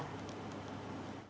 lái xe taxi hơn năm năm